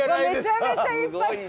めちゃめちゃいっぱい。